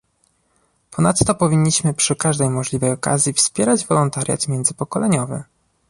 Ponadto powinniśmy przy każdej możliwej okazji wspierać wolontariat międzypokoleniowy